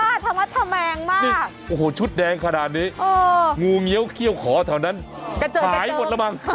แล้วท่าธมาธแมงมากโอ้โหชุดแดงขนาดนี้งูเงี้ยวเขี้ยวขอแถวนั้นหายหมดแล้วมั้ง